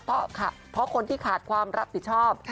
เพราะคนที่ขาดความรับผิดชอบ